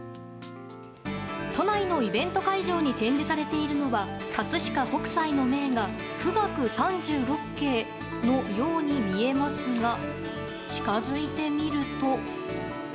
都内のイベント会場に展示されているのは葛飾北斎の名画「富嶽三十六景」のように見えますが近づいてみると。